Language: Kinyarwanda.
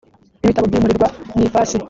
ibitabo byimurirwa mu ifasi .